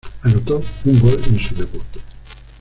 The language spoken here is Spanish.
Anotó un gol en su debut.